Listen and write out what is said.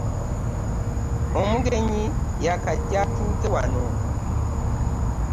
Omugenyi y'akajja atuuke wano.